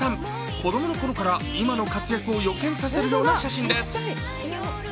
子供のころから今の活躍を予見させるような写真です。